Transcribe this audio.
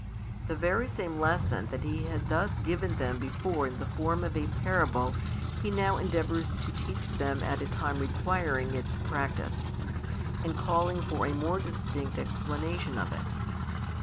The very same lesson that He had thus given them before in the form of a parable He now endeavours to teach them at a time requiring its practice, and calling for a more distinct explanation of it.